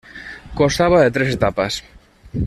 Constaba de tres etapas.